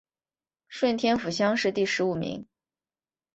顺天府乡试第十五名。